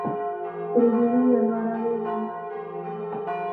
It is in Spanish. Proviene de Alvarado de Mar del Plata.